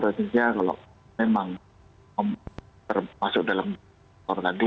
tentunya kalau memang termasuk dalam sektor tadi